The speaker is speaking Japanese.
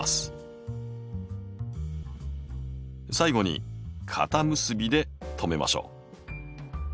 最後に固結びで留めましょう。